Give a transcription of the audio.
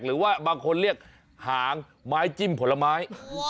หรือว่าบางคนเรียกหางไม้จิ้มผลไม้